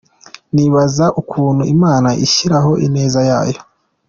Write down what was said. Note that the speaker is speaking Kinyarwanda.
Nibaza ukuntu Imana inshyiraho ineza yayo.